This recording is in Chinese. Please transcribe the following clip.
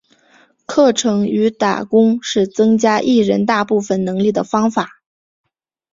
课程与打工是增加艺人大部分能力的方法。